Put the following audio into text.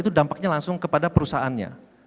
itu dampaknya langsung kepada perusahaannya